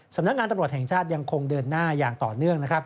สำนักงานตำรวจแห่งชาติยังคงเดินหน้าอย่างต่อเนื่องนะครับ